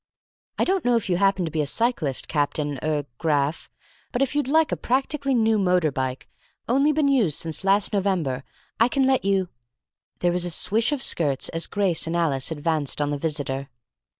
"I don't know if you happen to be a cyclist, Captain er Graf; but if you'd like a practically new motorbike, only been used since last November, I can let you " There was a swish of skirts as Grace and Alice advanced on the visitor.